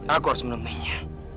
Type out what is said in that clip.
aku harus menemuinya